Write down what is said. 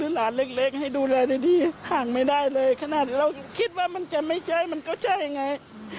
หลานเล็กให้ดูแลในที่ห่างไม่ได้เลยขนาดเราคิดว่ามันจะไม่ใช่มันก็ใช่ไง